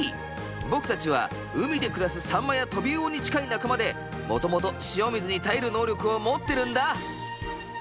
僕たちは海で暮らすサンマやトビウオに近い仲間でもともと塩水に耐える能力を持ってるんだ。